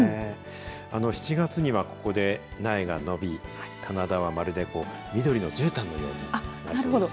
７月には、ここで苗が伸び棚田はまるで緑のじゅうたんのようになるそうです。